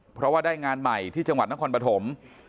เพราะว่าได้งานใหม่ที่จังหวัดนครปฐม